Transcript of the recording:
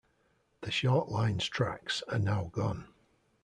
The short line's tracks are now gone.